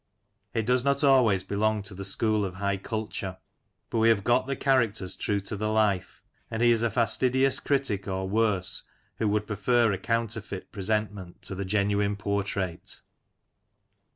It does not always belong to the school of high culture. But we have got the characters true to the life, and he is a fastidious critic, or worse, who would prefer a counterfeit presentment to the genuine portrait.